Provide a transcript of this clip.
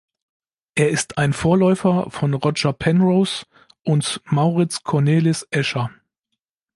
Er ist ein Vorläufer von Roger Penrose und Maurits Cornelis Escher.